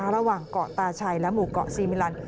ระหว่างเกาะตาชัยและหมู่เกาะซีมิลัน